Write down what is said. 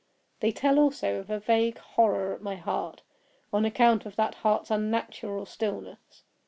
They tell also of a vague horror at my heart, on account of that heart's unnatural stillness.